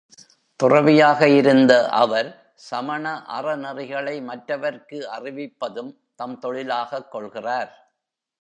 துறவியாக இருந்த அவர் சமண அற நெறிகளை மற்றவர்க்கு அறிவிப்பதும் தம் தொழிலாகக் கொள்கிறார்.